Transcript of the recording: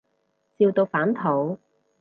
笑到反肚